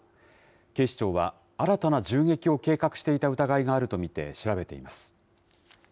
警視庁は、新たな襲撃を計画していた疑いがあると見て調べています。